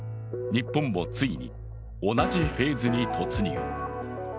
日本もついに同じフェーズに突入。